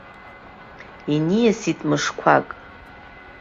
Иниасит мышқәак.